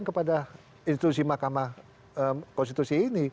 kepada institusi mahkamah konstitusi ini